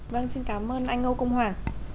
vâng xin cảm ơn anh âu công hoàng